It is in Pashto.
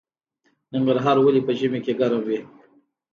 ننګرهار ولې په ژمي کې ګرم وي؟